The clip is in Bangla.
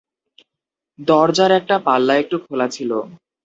দরজার একটা পাল্লা একটু খোলা ছিল।